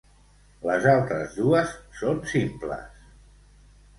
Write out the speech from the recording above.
Les altres dues són simples.